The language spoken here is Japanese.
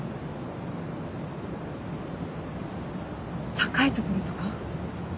高い所とか？